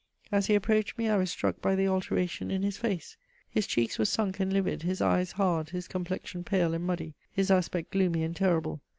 As he approached me, I was struck by the alteration in his face: his cheeks were sunk and livid, his eyes hard, his complexion pale and muddy, his aspect gloomy and terrible.